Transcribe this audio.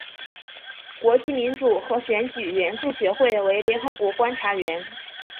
国际民主和选举援助学会为联合国观察员。